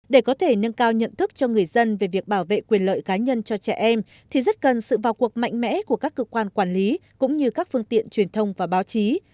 để có thể nâng cao nhận thức cho người dân về việc bảo vệ quyền lợi cá nhân cho trẻ em thì rất cần sự vào cuộc mạnh mẽ của các cơ quan quản lý cũng như các phương tiện truyền thông và báo chí